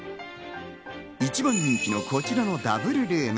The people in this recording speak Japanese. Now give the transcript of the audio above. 一番人気のこちらのダブルルーム。